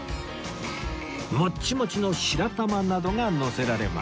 モッチモチの白玉などがのせられます